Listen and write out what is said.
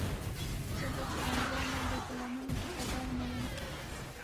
زه د پرنګيانو د پلانونو ټيکه دار نه یم